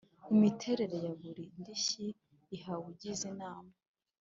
Imiterere ya buri ndishyi ihawe ugize inama